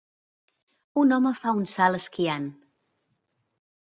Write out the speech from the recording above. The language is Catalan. Un home fa un salt esquiant.